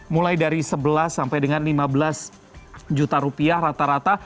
mulai dari sebelas sampai dengan lima belas juta rupiah rata rata